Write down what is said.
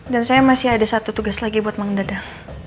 dan saya masih ada satu tugas lagi buat mengendadang